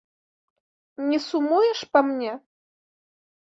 Не сумуеш па мне?